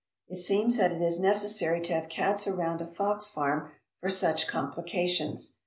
It seems that it is necessary to have cats around a fox farm for such complications.